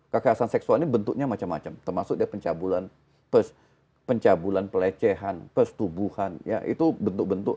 kekerasan seksual ini bentuknya macam macam termasuk pencabulan pelecehan persetubuhan ya itu bentuk bentuk